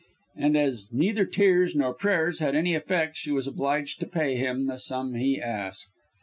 '" And as neither tears nor prayers had any effect, she was obliged to pay him the sum he asked.